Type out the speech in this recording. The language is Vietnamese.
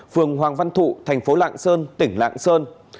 phường hoàng văn thụ thành phố lạng sơn tỉnh lạng sơn